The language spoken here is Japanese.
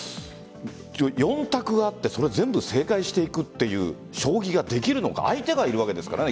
４択があってそれ全部正解していくっていう将棋ができるのか相手がいるわけですからね。